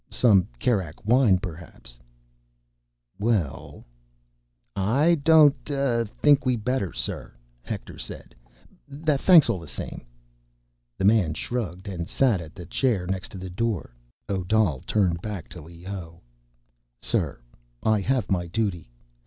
"Some Kerak wine, perhaps?" "Well—" "I don't, uh, think we'd better, sir," Hector said. "Thanks all the same." The man shrugged and sat at a chair next to the door. Odal turned back to Leoh. "Sir, I have my duty.